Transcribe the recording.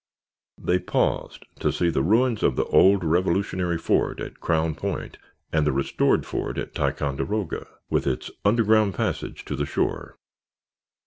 They paused to see the ruins of the old Revolutionary fort at Crown Point, and the restored fort at Ticonderoga, with its underground passage to the shore.